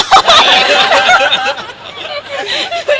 อ่าไปไม่เป็น